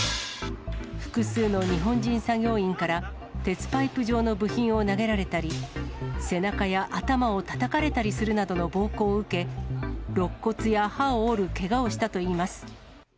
複数の日本人作業員から、鉄パイプ状の部品を投げられたり、背中や頭をたたかれたりするなどの暴行を受け、ろっ骨や歯を折るけがをしたといいます。